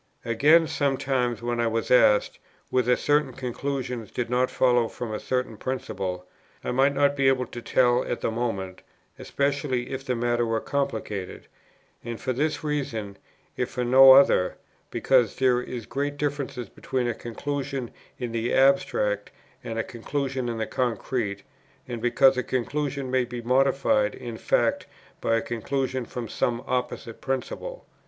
Again, sometimes when I was asked, whether certain conclusions did not follow from a certain principle, I might not be able to tell at the moment, especially if the matter were complicated; and for this reason, if for no other, because there is great difference between a conclusion in the abstract and a conclusion in the concrete, and because a conclusion may be modified in fact by a conclusion from some opposite principle.